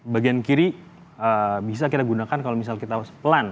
bagian kiri bisa kita gunakan kalau misal kita pelan